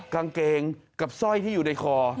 กางเกงกับสร้อยที่อยู่ในคอ